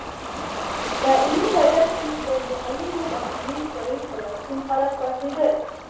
په علمي ډګر کې د معینو بهرنیو کړیو په لمسون خلک پاڅېدل.